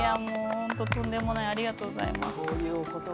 とんでもないありがとうございます。